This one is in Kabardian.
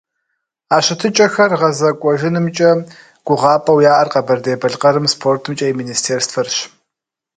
А щытыкӀэхэр гъэзэкӀуэжынымкӀэ гугъапӀэу яӀэр Къэбэрдей-Балъкъэрым СпортымкӀэ и министерствэрщ.